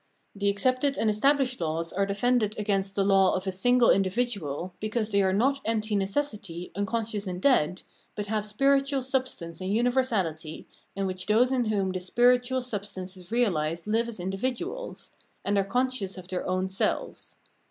The accepted and estabhshed laws are defended against the law of a single individual because they are not empty necessity, unconscious and dead, but have spiritual substance and universality, in which those in whom this spiritual substance is reahsed five as individuals, and are conscious of their own selves.